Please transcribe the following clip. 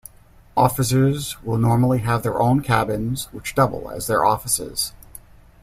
Officers will normally have their own cabins, which double as their offices.